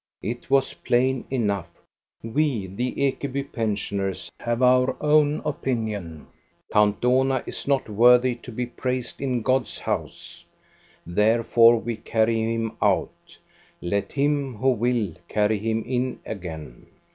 It was plain enough: "We the Ekeby pensioners have our own opinion. Count Dohna is not worthy to be praised in God's house. Therefore we carry him out. Let him who will carry him in again."